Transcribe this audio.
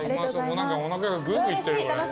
何かおなかがグーグーいってる。